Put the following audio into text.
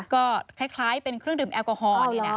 ก็คล้ายเป็นเครื่องดื่มแอลกอฮอลนี่นะ